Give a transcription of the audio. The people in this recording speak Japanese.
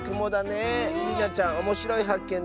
りなちゃんおもしろいはっけん